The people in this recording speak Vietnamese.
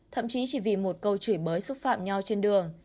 thậm chí chỉ vì một câu chửi bới xúc phạm nhau trên đường